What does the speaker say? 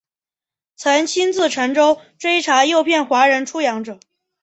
曾亲自乘舟追查诱骗华人出洋者。